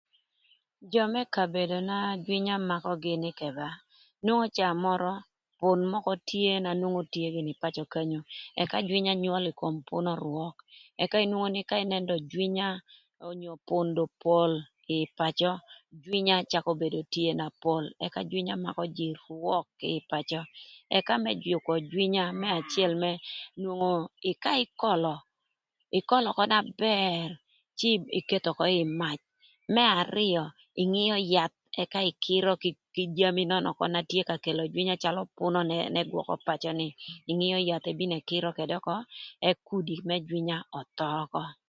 Jö më kabedona jwinya makögï nïkë ba: nwongo caa mörö pün mökö tye na nwongo tye gïnï ï pacö kany nön, jwïnya nywöl ï kom pünö rwök ëka inwongo nï jwïnya ka pün dong pol ïï pacö nyaa cakö bedo na pol ëka jwïnya makö jïï rwök kï ïï pacö ëka më jükö jwïnya kï ï pacö nwongo ka ïkölö, ïkölö ökö na bër cë iketho ökö ï mac, më arïö ïmïö yath cë ïkïrö kï jami nön na tye ka kelo jwïnya na calö pünö n'ëgwökö ï pacöni ïmïö yath cë ebino ëkïrö ködë ökö ëk kudi mërë öthöö ökö.